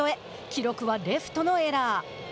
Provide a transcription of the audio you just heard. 記録はレフトのエラー。